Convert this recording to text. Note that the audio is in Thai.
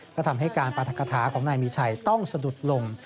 ก็ทำให้การปรัฐกฐาของนายมีชัยต้องสะดุดลง